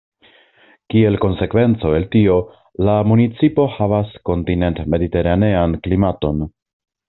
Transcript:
Kiel konsekvenco el tio, la municipo havas kontinent-mediteranean klimaton.